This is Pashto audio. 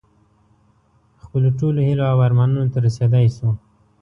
خپلو ټولو هیلو او ارمانونو ته رسېدی شو.